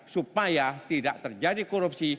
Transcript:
supaya tidak terjadi korupsi